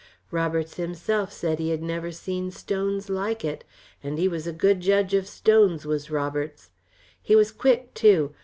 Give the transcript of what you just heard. Roberts himself said he had never seen stones like it, and he was a good judge of stones was Roberts. He was quick, too.